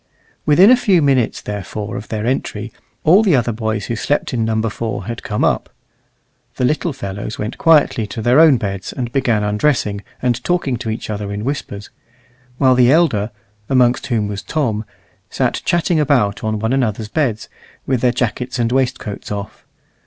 Within a few minutes therefore of their entry, all the other boys who slept in Number 4 had come up. The little fellows went quietly to their own beds, and began undressing, and talking to each other in whispers; while the elder, amongst whom was Tom, sat chatting about on one another's beds, with their jackets and waistcoats off.